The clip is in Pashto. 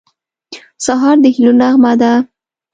سهار د هیلو نغمه ده.